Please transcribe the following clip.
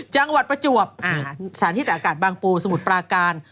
จังหวัดประจวบสถานที่แต่อากาศบางปูสมุทรปราการ